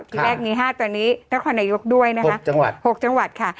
ที่แรกนี้๕ตอนนี้นครนายกด้วยนะคะ๖จังหวัดค่ะ